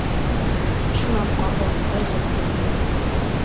Шунан ҡапыл ырғып торҙо: